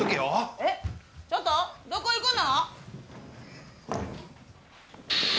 えっ、ちょっと、どこ行くの？